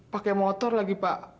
pakai motor lagi pak